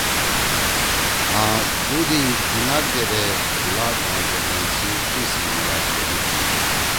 آں دُو دی تیناک دیدے لارڈ ماؤنٹ بیٹن سی ڇھی سی میلأݜ توبی کی